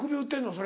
それ。